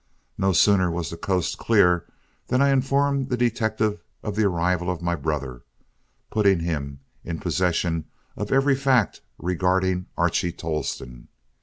No sooner was the coast clear than I informed the detective of the arrival of my brother, putting him in possession of every fact regarding Archie Tolleston.